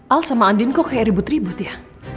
al sama andin kok kayak ribut ribut ya